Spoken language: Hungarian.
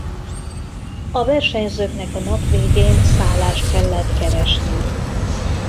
A versenyzőknek a nap végén szállást kellett keresniük.